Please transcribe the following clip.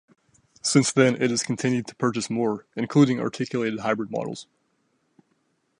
Since then it has continued to purchase more, including articulated hybrid models.